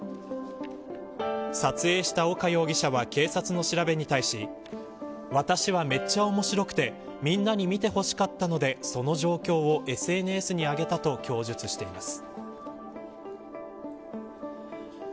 撮影した岡容疑者は警察の調べに対して私はめっちゃ面白くてみんなに見てほしかったのでその状況をＳＮＳに上げたと供述しています。